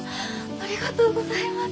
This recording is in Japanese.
ありがとうございます。